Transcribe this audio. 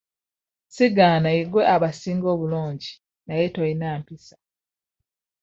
Sigaana ye gwe abasinga mu bulungi naye tolina mpisa.